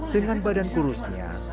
dengan badan kurusnya